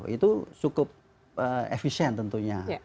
itu cukup efisien tentunya